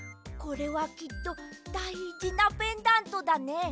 これはきっとだいじなペンダントだね。